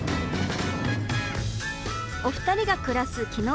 お二人が暮らす木ノ